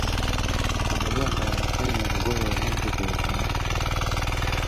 Akabi akalala akali mu bugoye obumpi keekano